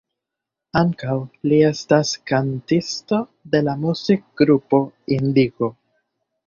Ankaŭ, li estas kantisto de la muzik-grupo "Indigo".